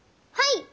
はい！